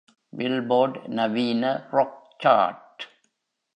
Billboard நவீன Rock chart.